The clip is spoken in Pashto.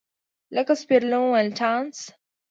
لکه سپیریلوم ولټانس.